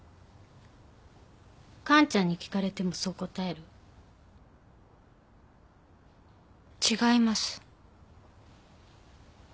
完ちゃんに聞かれてもそう答える？違います。